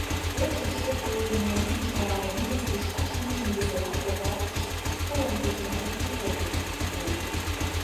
Ошо шуко улмылан йошкарармеец тӱшка-шамыч нигузеат коклаштышт кылым кучен кертын огыт ул.